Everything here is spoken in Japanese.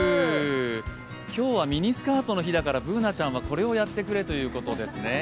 今日はミニスカートの日だから、Ｂｏｏｎａちゃんはこれをやってくれということですね。